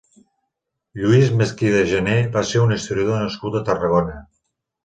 Lluís Mezquida Gené va ser un historiador nascut a Tarragona.